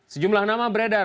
sejumlah nama beredar